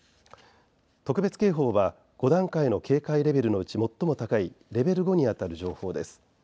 特別警報は５段階の警戒レベルのうち最も高いレベル５にあたる情報です。